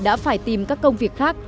đã phải tìm các công việc khác